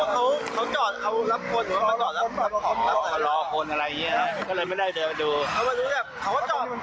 เขาว่าจอดจอด๑๔ติเพราะเขาไม่จอดคลิปนี้เขาจอดออกข่าว